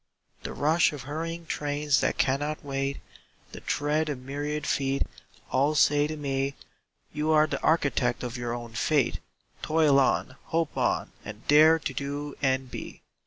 The rush of hurrying trains that cannot wait, The tread of myriad feet, all say to me: "You are the architect of your own fate; Toil on, hope on, and dare to do and be."